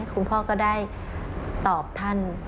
คุณพ่อก็ได้ตอบท่าน